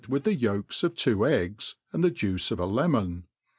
with the yolks of two eggs, and the juice of a lemon.